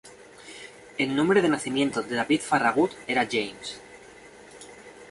El nombre de nacimiento de David Farragut era James.